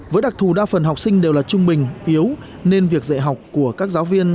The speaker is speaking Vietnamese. với đặc thù đa phần học sinh đều là trung bình yếu nên việc dạy học của các giáo viên